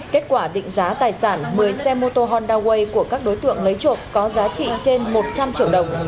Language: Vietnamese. kết quả định giá tài sản một mươi xe mô tô honda way của các đối tượng lấy trộm có giá trị trên một trăm linh triệu đồng